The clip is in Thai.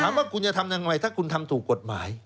ว่าคุณจะทำยังไงถ้าคุณทำถูกกฎหมาย